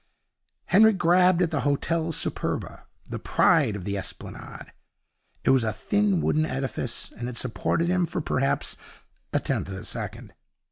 Henry grabbed at the Hotel Superba, the pride of the Esplanade. It was a thin wooden edifice, and it supported him for perhaps a tenth of a second.